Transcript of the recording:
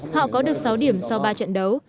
họ có được sáu điểm sau ba trận đấu